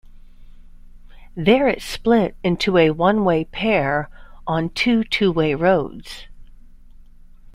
There it split into a one-way pair on two two-way roads.